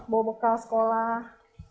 bawa bekal sekolah